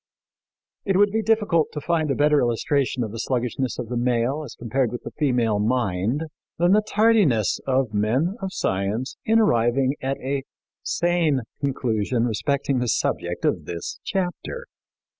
" It would be difficult to find a better illustration of the sluggishness of the male as compared with the female mind than the tardiness of men of science in arriving at a sane conclusion respecting the subject of this chapter.